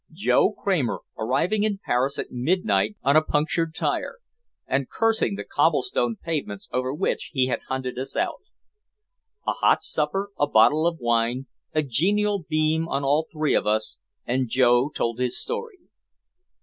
Joe Kramer arriving in Paris at midnight on a punctured tire, and cursing the cobblestone pavements over which he had hunted us out. A hot supper, a bottle of wine, a genial beam on all three of us, and Joe told his story.